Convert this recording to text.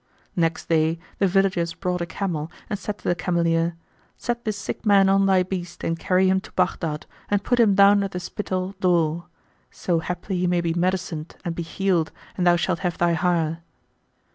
Next day the villagers brought a camel and said to the cameleer, "Set this sick man on thy beast and carry him to Baghdad and put him down at the Spital door; so haply he may be medicined and be healed and thou shalt have thy hire."